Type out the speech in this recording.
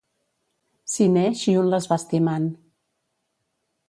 S'hi neix i un les va estimant